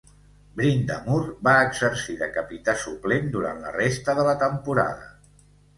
Brind'Amour va exercir de capità suplent durant la resta de la temporada.